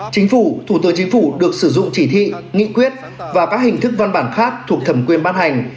chính phủ thủ tướng chính phủ được sử dụng chỉ thị nghị quyết và các hình thức văn bản khác thuộc thẩm quyền ban hành